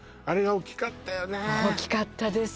大きかったです